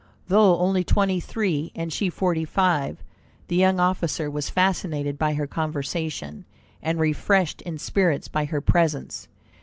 Though only twenty three and she forty five, the young officer was fascinated by her conversation, and refreshed in spirits by her presence.